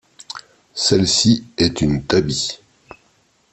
Celle-ci est une tabi.